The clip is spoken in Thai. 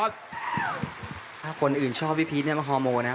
ถ้าคนอื่นชอบว่าพี่พีชมันฮอร์โมนะ